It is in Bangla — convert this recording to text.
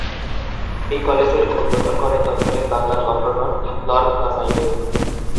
এই কলেজের উদ্বোধন করেন তৎকালীন বাংলার গভর্নর লর্ড কারমাইকেল।